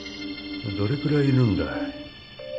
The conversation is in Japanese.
どれくらいいるんだい。